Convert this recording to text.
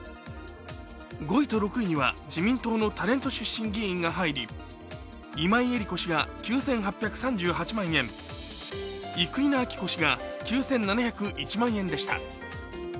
５位と６位には自民党のタレント出身議員が入り、今井絵理子氏が９８３８万円、生稲晃子氏が９７０１万円でした。